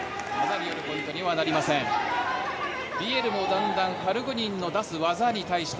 ビエルもだんだんカルグニンの出す技に対して